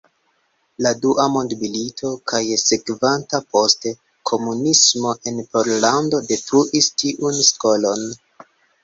La dua mondmilito kaj sekvanta poste komunismo en Pollando detruis tiun skolon.